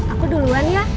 aku duluan ya